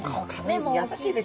優しいですよね。